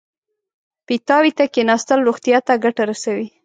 پیتاوي ته کېناستل روغتیا ته ګټه رسوي.